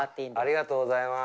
ありがとうございます。